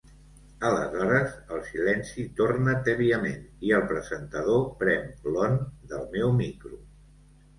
Aleshores el silenci torna tèbiament i el presentador prem l'on del meu micro.